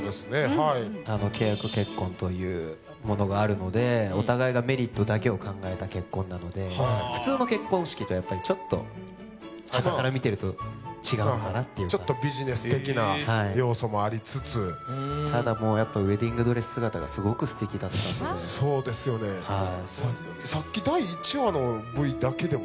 はい契約結婚というものがあるのでお互いがメリットだけを考えた結婚なので普通の結婚式とやっぱりちょっとはたから見てると違うのかなっていうかちょっとビジネス的な要素もありつつただもうやっぱウェディングドレス姿がすごくすてきだったんでそうですよねさっき第１話のＶだけでもね